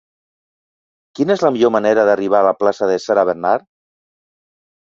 Quina és la millor manera d'arribar a la plaça de Sarah Bernhardt?